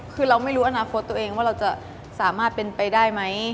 คือเราไม่รู้อนาคตตัวเองว่าเราจะสามารถเป็นไปได้ไหม